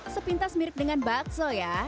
sepintas mirip dengan bakso ya